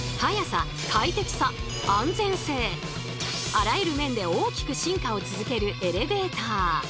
あらゆる面で大きく進化を続けるエレベーター。